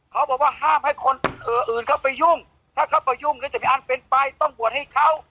เขาบอกว่าห้ามให้คนอื่นเข้าไปยุ่งถ้าเข้าไปยุ่งแล้วจะมีอันเป็นไปต้องบวชให้เขา